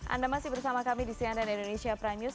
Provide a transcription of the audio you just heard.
anda masih bersama kami di cnn indonesia prime news